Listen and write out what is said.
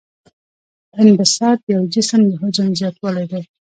انبساط د یو جسم د حجم زیاتوالی دی.